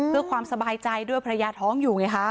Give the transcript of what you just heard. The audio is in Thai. เพื่อความสบายใจด้วยภรรยาท้องอยู่ไงคะ